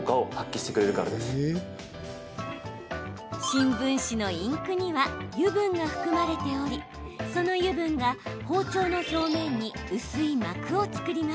新聞紙のインクには油分が含まれておりその油分が包丁の表面に薄い膜を作ります。